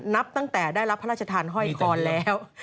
นับตั้งแต่ได้รับพระราชทานห้อยคอแล้ว